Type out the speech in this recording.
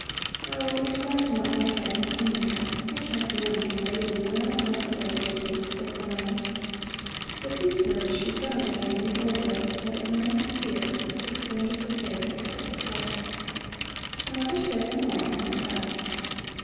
"Oh, because I am not like Agnes and Nika. I can't do anything they do and I don't look the way they do," said Cornelli. With these words she frowned again in the old way, so that one could see it through the thick fringes of hair that covered her forehead. The mother said no more and went out.